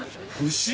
牛？